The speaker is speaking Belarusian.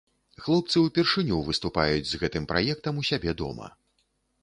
Хлопцы ўпершыню выступаюць з гэтым праектам у сябе дома.